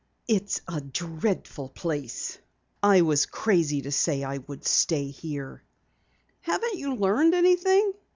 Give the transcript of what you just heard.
"It's a dreadful place. I was crazy to say I would stay here." "Haven't you learned anything?"